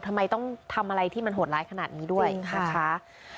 ทำไมต้องทำอะไรที่มันโหดร้ายขนาดนี้ด้วยนะคะ